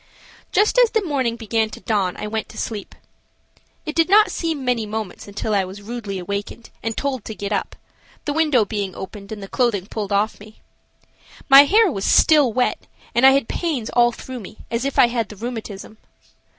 Just as the morning began to dawn I went to sleep. It did not seem many moments until I was rudely awakened and told to get up, the window being opened and the clothing pulled off me. My hair was still wet and I had pains all through me, as if I had the rheumatism.